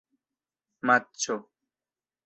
matĉo